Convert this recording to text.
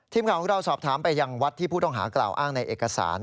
ทีมข่าวของเราสอบถามไปยังวัดที่ผู้ต้องหากล่าวอ้างในเอกสาร